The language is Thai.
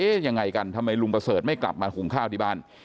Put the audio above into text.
ยังไงกันทำไมลุงประเสริฐไม่กลับมาหุงข้าวที่บ้าน